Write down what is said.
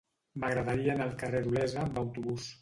M'agradaria anar al carrer d'Olesa amb autobús.